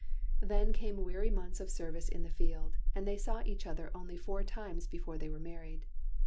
Then came weary months of service in the field, and they saw each other only four times before they were married.